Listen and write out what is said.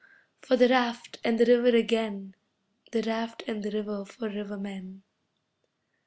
for the raft and the river again, The raft and the river for rivermen.